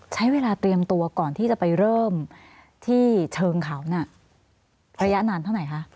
ใช้เวลาเตรียมตัวก่อนที่จะไปเริ่มที่เชิงเขาน่ะระยะนานเท่าไหร่คะ